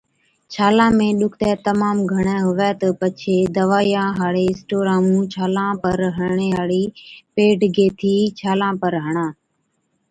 ڇالان ۾ ڏُکتَي تمام گھڻَي هُوَي تہ پڇي دَوائِيان هاڙي اسٽورا مُون ڇالان پر هڻڻي هاڙِي پيڊ گيهٿِي ڇالان پر هڻا،